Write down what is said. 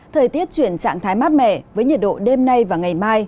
thời tiết chuyển trạng thái mát mẻ với nhiệt độ đêm nay và ngày mai